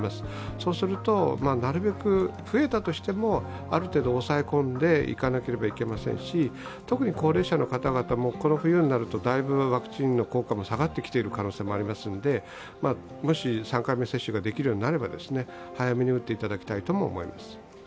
そうするとなるべく増えたとしてもある程度抑え込んでいかなければいけませんし、特に高齢者の方々も、この冬になるとだいぶワクチンの効果が下がってきている可能性もありますのでもし３回目接種ができるようになれば早めに打っていただきたいとも思います。